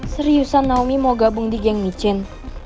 seriusan naomi mau gabung di geng michain